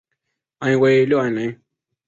安徽六安人。